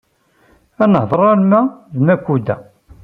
Ad nenheṛ arma d Makuda.